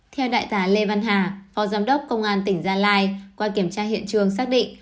theo đại tá lê văn hà phó giám đốc công an tỉnh gia lai qua kiểm tra hiện trường xác định